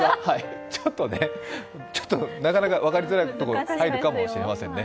ちょっとなかなか分かりづらいところに入るかもしれませんね。